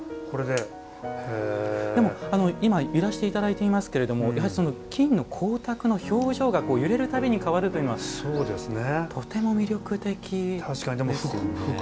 今揺らしていただいてますけど金の光沢の表情が揺れるたびに変わるというのはとても魅力的ですよね。